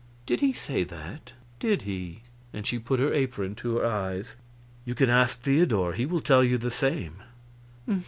"Did he say that? Did he?" and she put her apron to her eyes. "You can ask Theodor he will tell you the same."